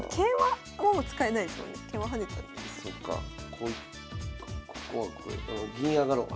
ここここ銀上がろう。